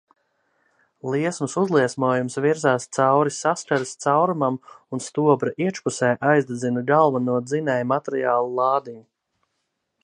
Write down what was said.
Liesmas uzliesmojums virzās cauri saskares caurumam un stobra iekšpusē aizdedzina galveno dzinējmateriāla lādiņu.